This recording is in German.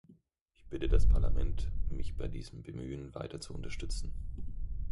Ich bitte das Parlament, mich bei diesem Bemühen weiter zu unterstützen.